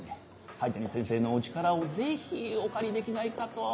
灰谷先生のお力をぜひお借りできないかと。